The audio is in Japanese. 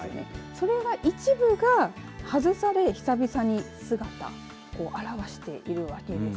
それが一部が外され、久々に姿を現しているわけです。